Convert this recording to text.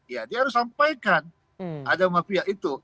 ya dia harus sampaikan ada mafia itu